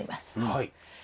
はい。